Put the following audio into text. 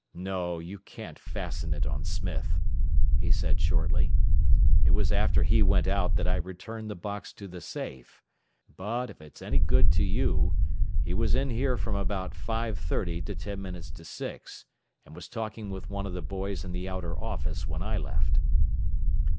"No; you can't fasten it on Smith," he said shortly. "It was after he went out that I returned the box to the safe. But, if it's any good to you he was in here from about five thirty to ten minutes to six, and was talking with one of the boys in the outer office when I left."